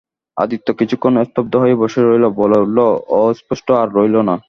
আদিত্য কিছুক্ষণ স্তব্ধ হয়ে বসে রইল, বলে উঠল, অস্পষ্ট আর রইল না।